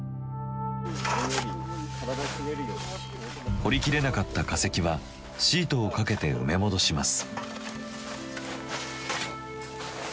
掘りきれなかった化石はシートをかけて埋め戻します。